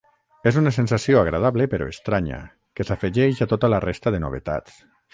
És una sensació agradable però estranya, que s'afegeix a tota la resta de novetats.